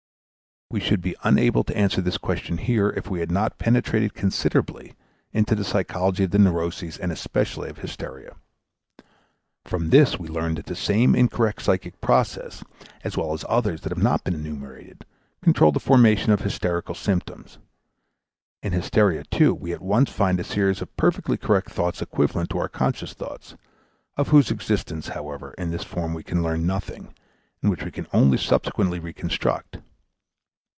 We should be unable to answer this question here if we had not penetrated considerably into the psychology of the neuroses and especially of hysteria. From this we learn that the same incorrect psychic processes as well as others that have not been enumerated control the formation of hysterical symptoms. In hysteria, too, we at once find a series of perfectly correct thoughts equivalent to our conscious thoughts, of whose existence, however, in this form we can learn nothing and which we can only subsequently reconstruct.